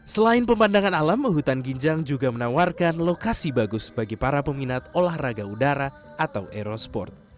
selain pemandangan alam hutan ginjang juga menawarkan lokasi bagus bagi para peminat olahraga udara atau aerosport